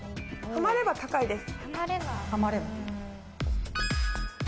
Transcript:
ハマれば高いです。